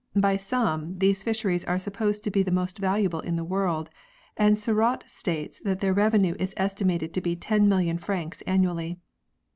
By some, these fisheries are supposed to be the most valuable in the world and Seurat states that their revenue is estimated to be 10 million francs annually.